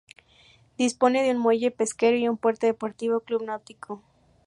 Dispone de un muelle pesquero y un puerto deportivo-club náutico.